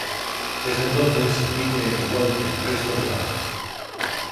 Desde entonces emite en igual que el resto de canales.